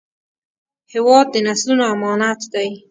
هېواد د نسلونو امانت دی.